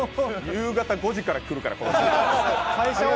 夕方５時から来るから、この人。